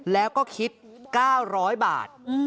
แล้วก็คิด๙๐๐บาท